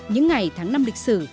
những ngày tháng năm lịch sử